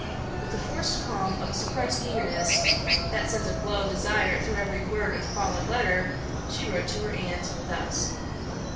With the forced calm of a suppressed eagerness, that sends a glow of desire through every word of the following letter, she wrote to her aunt thus.